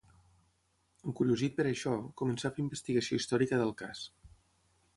Encuriosit per això, començà a fer investigació històrica del cas.